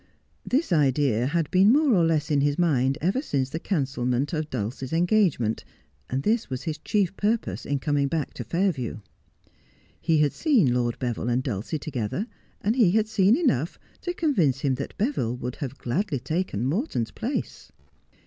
This idea had been more or less in his mind ever since the cancelment of Dulcie's engagement, and this was his chief pur pose in coming back to Fairview. He had seen Lord Beville and Dulcie together, and he had seen enough to convince him that Beville would have gladly taken Morton's place.